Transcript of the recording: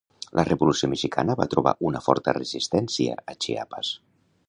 La Revolució mexicana va trobar una forta resistència a Chiapas.